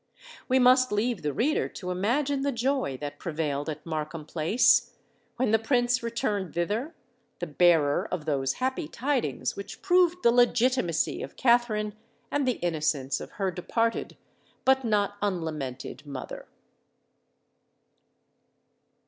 We must leave the reader to imagine the joy that prevailed at Markham Place, when the Prince returned thither, the bearer of those happy tidings which proved the legitimacy of Katherine and the innocence of her departed but not unlamented mother.